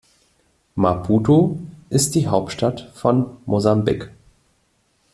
Maputo ist die Hauptstadt von Mosambik.